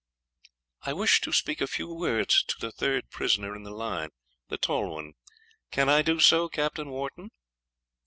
'I wish to speak a few words to the third prisoner in the line the tall one. Can I do so, Captain Wharton?'